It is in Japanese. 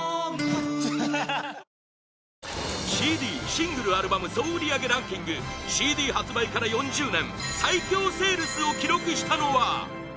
ＣＤシングル・アルバム総売り上げランキングＣＤ発売から４０年最強セールスを記録したのは？